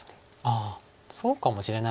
ああそうかもしれないです。